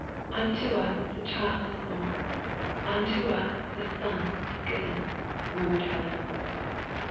"Unto us a Child is born; unto us a Son is given," murmured Helen.